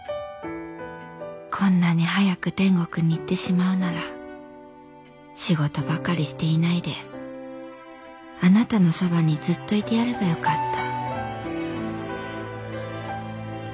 こんなに早く天国に行ってしまうなら仕事ばかりしていないであなたのそばにずっといてやればよかった」。